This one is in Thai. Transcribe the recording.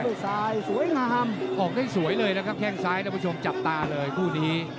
ซ้ายสวยงามออกได้สวยเลยนะครับแข้งซ้ายท่านผู้ชมจับตาเลยคู่นี้